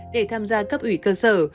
để tham gia cấp ủy cơ sở